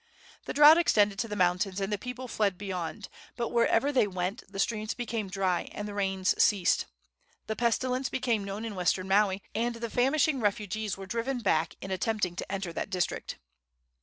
The drought extended to the mountains, and the people fled beyond; but wherever they went the streams became dry and the rains ceased. The pestilence became known in western Maui, and the famishing refugees were driven back in attempting to enter that district.